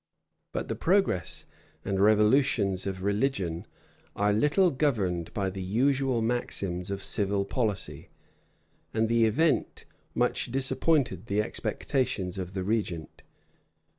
But the progress and revolutions of religion are little governed by the usual maxims of civil policy; and the event much disappointed the expectations of the regent.